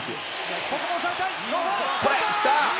ここもおさえたい。